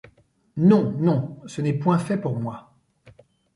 Non, non, ce n’est point fait pour moi.